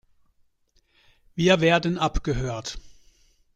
Wir werden abgehört.